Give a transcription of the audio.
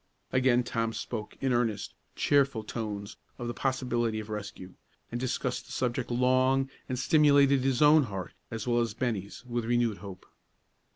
Again Tom spoke, in earnest, cheerful tones, of the probability of rescue; and discussed the subject long, and stimulated his own heart, as well as Bennie's, with renewed hope.